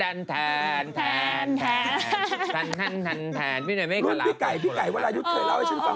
ดิฉันเกิดมาก่อนที่จะมีช่อง๓